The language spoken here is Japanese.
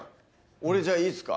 俺じゃあいいっすか。